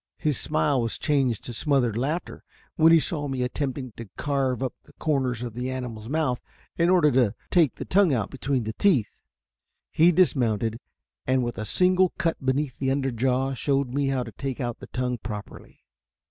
His smile was changed to smothered laughter when he saw me attempting to carve up the corners of the animal's mouth in order to take the tongue out between the teeth. He dismounted, and with a single cut beneath the under jaw showed me how to take out the tongue properly.